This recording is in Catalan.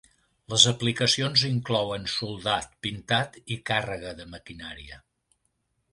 Les aplicacions inclouen soldat, pintat i càrrega de maquinària.